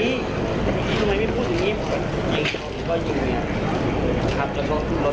ยิงเขาก็ยิงเนี่ย